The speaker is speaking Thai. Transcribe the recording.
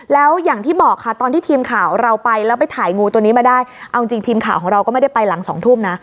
แล้วอย่างที่บอกค่ะตอนที่ทีมข่าวเราไปแล้วไปถ่ายงูตัวนี้มาได้เอาจริงทีมข่าวของเราก็ไม่ได้ไปหลังสองทุ่มนะ